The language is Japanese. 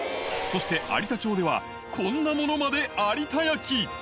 そして有田町では、こんなものまで有田焼。